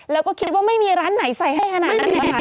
แล้วก็คิดว่าไม่มีร้านไหนใส่ให้ไม่มีร้านไหน